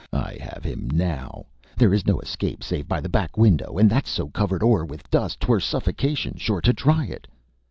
I have him now. There is no escape save by the back window, and that's so covered o'er with dust 'twere suffocation sure to try it.'